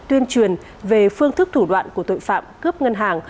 tuyên truyền về phương thức thủ đoạn của tội phạm cướp ngân hàng